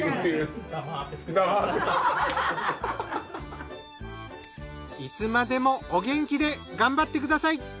いつまでもお元気で頑張ってください！